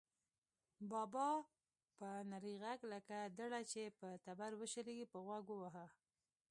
بابا په نري غږ لکه دړه چې په تبر وشلېږي، په غوږ وواهه.